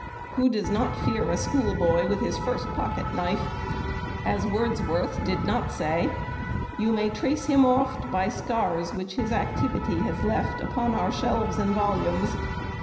Who does not fear a schoolboy with his first pocket knife? As Wordsworth did not say: "You may trace him oft By scars which his activity has left Upon our shelves and volumes.